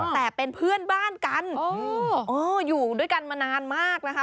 แต่เป็นเพื่อนบ้านกันอยู่ด้วยกันมานานมากนะคะ